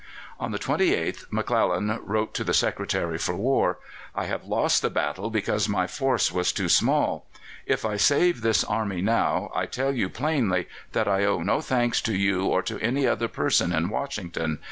On the 28th McClellan wrote to the Secretary for War: "I have lost the battle because my force was too small. If I save this army now I tell you plainly that I owe no thanks to you or to any other person in Washington.